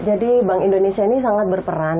jadi bank indonesia ini sangat berperan